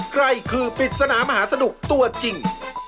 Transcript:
ใครคือปริศนามหาสนุกตัวจริง